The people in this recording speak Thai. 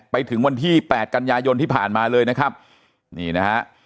ไปถึงวันที่แปดกันยายนที่ผ่านมาเลยนะครับนี่นะฮะ